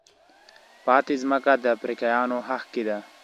پاتې ځمکه د افریقایانو حق کېده.